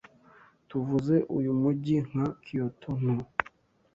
Tuvuze uyu mujyi nka Kyoto Nto.